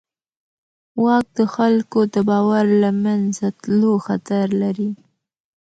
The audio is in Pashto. واک د خلکو د باور له منځه تلو خطر لري.